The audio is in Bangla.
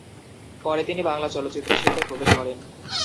পরে তিনি বাংলা চলচ্চিত্র শিল্পে প্রবেশ করেন।